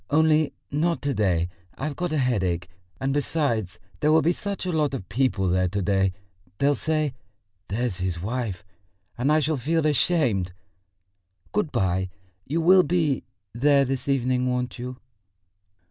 Only not to day; I've got a headache, and besides, there will be such a lot of people there to day.... They'll say, 'That's his wife,' and I shall feel ashamed.... Good bye. You will be ... there this evening, won't you?"